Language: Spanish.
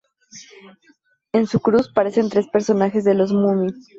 En su cruz aparecen tres personajes de los Mumin.